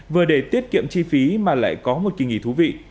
vừa để tiết kiệm chi phí mà lại có một kỳ nghỉ thú vị